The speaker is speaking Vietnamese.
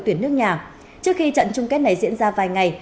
trước khi trận chung kết này diễn ra vài ngày